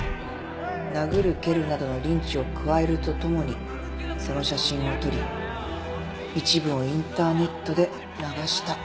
殴る蹴るなどのリンチを加えるとともにその写真を撮り一部をインターネットで流した。